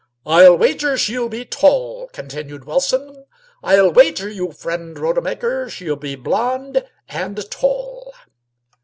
"I'll wager she'll be tall," continued Wilson. "I'll wager you, friend Rodemaker, she'll be blonde and tall."